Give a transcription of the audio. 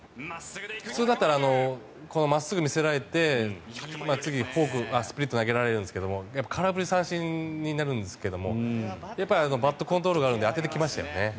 普通だったらこの真っすぐを見せられて次にスプリットを投げられるんですけど空振り三振になるんですけれどもバットコントロールがあるので当ててきましたよね。